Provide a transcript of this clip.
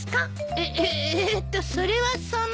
えっとそれはその。